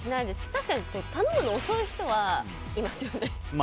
確かに頼むの遅い人はいますよね。